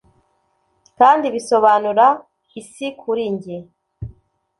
kandi bisobanura isi kuri njye